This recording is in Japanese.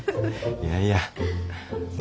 いやいや。